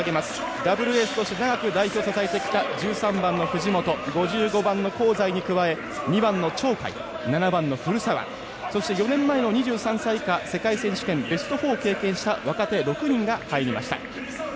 ダブルエースとして長くエースを支えてきた１３番の藤本５５番の香西に加えて２番の鳥海７番の古澤４年前の２３歳以下の世界選手権ベスト４を経験した若手６人が入りました。